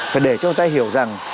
phải để cho người ta hiểu rằng